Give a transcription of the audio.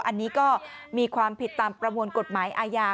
อันนี้ก็มีความผิดตามประมวลกฎหมายอาญา